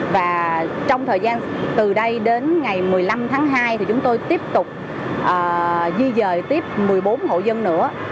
và trong thời gian từ đây đến ngày một mươi năm tháng hai thì chúng tôi tiếp tục di dời tiếp một mươi bốn hộ dân nữa